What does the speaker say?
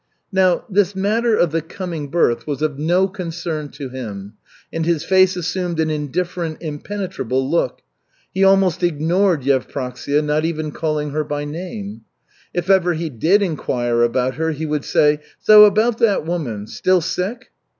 Now, this matter of the coming birth was of no concern to him, and his face assumed an indifferent, impenetrable look. He almost ignored Yevpraksia, not even calling her by name. If ever he did inquire about her he would say, "How about that woman still sick?"